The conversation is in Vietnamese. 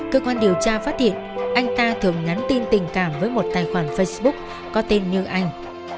cơ quan điều tra phát hiện anh ta thường nhắn tin tình cảm với một tài khoản facebook có tên như anh